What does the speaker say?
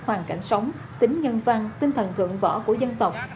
hoàn cảnh sống tính nhân văn tinh thần thượng võ của dân tộc